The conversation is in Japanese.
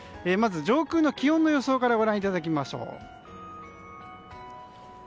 まず上空の気温の予想からご覧いただきましょう。